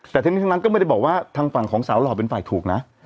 แต่ทั้งนี้ทั้งนั้นก็ไม่ได้บอกว่าทางฝั่งของสาวหล่อเป็นฝ่ายถูกนะ